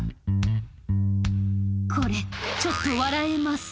これちょっと笑えます